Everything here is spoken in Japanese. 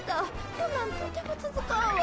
こんなんとてもつづかんわ。